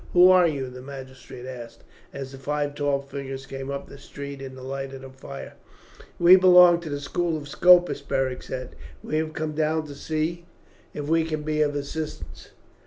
"Who are you?" the magistrate asked, as the five tall figures came up the street in the light of the fire. "We belong to the school of Scopus," Beric said. "We have come down to see if we can be of assistance.